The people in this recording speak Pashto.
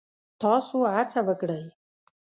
تاسو هڅه وکړئ